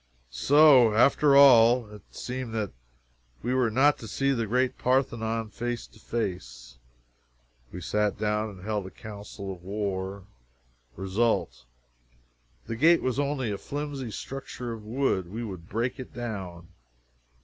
So, after all, it seemed that we were not to see the great Parthenon face to face. We sat down and held a council of war. Result: the gate was only a flimsy structure of wood we would break it down.